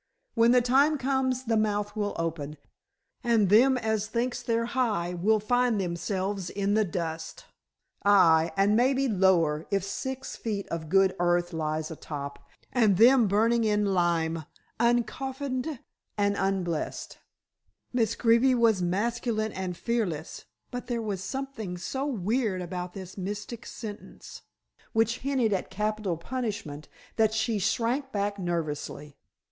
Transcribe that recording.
"When the time comes the mouth will open, and them as thinks they're high will find themselves in the dust. Aye, and maybe lower, if six feet of good earth lies atop, and them burning in lime, uncoffined and unblessed." Miss Greeby was masculine and fearless, but there was something so weird about this mystic sentence, which hinted at capital punishment, that she shrank back nervously.